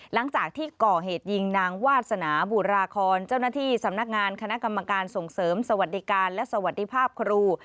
หลังจากที่ก่อเหตุยิงนางวาสนาบุราคอนเจ้าหน้าที่สำนักงานคณะกรรมการส่งเสริมสวัสดิการและสวัสดีภาพครู